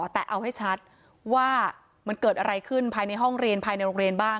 แต่เอาให้ชัดว่ามันเกิดอะไรขึ้นภายในห้องเรียนภายในโรงเรียนบ้าง